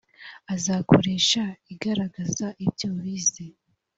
azakoresha igaragaza ibyo bize